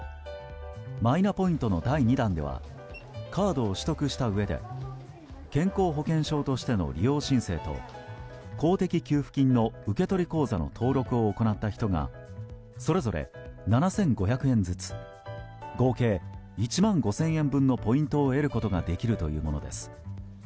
マイナポイントの第２弾ではカードを取得したうえで健康保険証としての利用申請と公的給付金の受け取り口座の登録を行った人がそれぞれ７５００円ずつ合計１万５０００円分のポイントを得ることができるというものです。